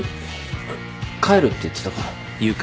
帰るって言ってたから。